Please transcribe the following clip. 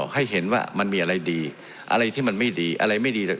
ให้เห็นว่ามันมีอะไรดีอะไรที่มันไม่ดีอะไรไม่ดี